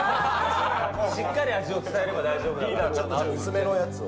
・しっかり味を伝えれば大丈夫・・厚めのやつを・・